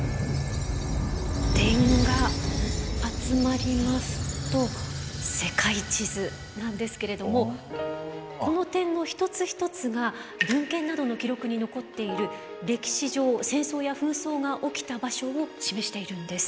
点が集まりますと世界地図なんですけれどもこの点の一つ一つが文献などの記録に残っている歴史上戦争や紛争が起きた場所を示しているんです。